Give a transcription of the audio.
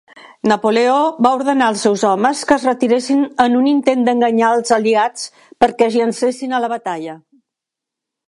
Napoleó va ordenar als seus homes que es retiressin en un intent d'enganyar els aliats perquè es llancessin a la batalla.